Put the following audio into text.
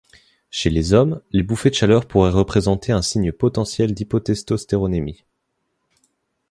Chez les hommes, les bouffées de chaleur pourraient représenter un signe potentiel d’hypotestostéronémie.